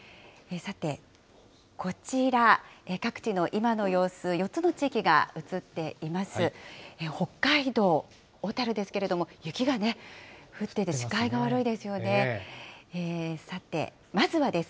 さて、こちら、各地の今の様子、４つの地域が写っています。